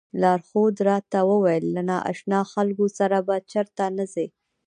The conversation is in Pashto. لارښود راته وویل له نا اشنا خلکو سره به چېرته نه ځئ.